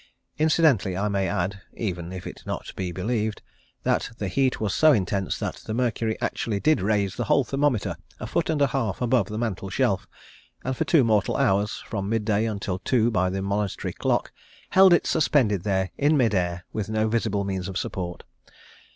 Incidentally I may add, even if it be not believed, that the heat was so intense that the mercury actually did raise the whole thermometer a foot and a half above the mantel shelf, and for two mortal hours, from midday until two by the Monastery Clock, held it suspended there in mid air with no visible means of support.